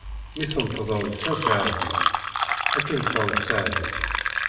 Mi tenṭeḍeḍ s aseɛdi, ad k-inṭeḍ seɛd-is.